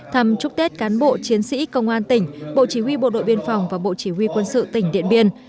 thăm chúc tết cán bộ chiến sĩ công an tỉnh bộ chỉ huy bộ đội biên phòng và bộ chỉ huy quân sự tỉnh điện biên